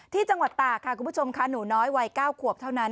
ที่จังหวัดตากค่ะคุณผู้ชมค่ะหนูน้อยวัย๙ขวบเท่านั้น